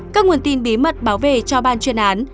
các nguồn tin bí mật báo về cho ban chuyên án